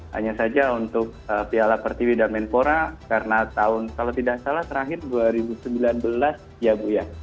hanya saja untuk piala pertiwi dan menpora karena tahun kalau tidak salah terakhir dua ribu sembilan belas ya bu ya